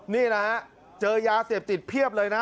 นี่แหละฮะเจอยาเสพติดเพียบเลยนะ